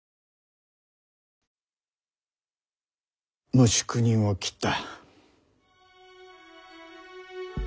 無宿人を斬った。